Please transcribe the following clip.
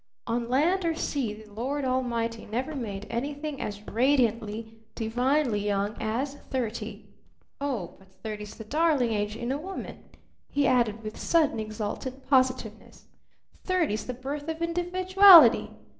On land or sea the Lord Almighty never made anything as radiantly, divinely young as thirty! Oh, but thirty's the darling age in a woman!" he added with sudden exultant positiveness. "Thirty's the birth of individuality!